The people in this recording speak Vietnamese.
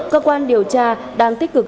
cơ quan điều tra đang tích cực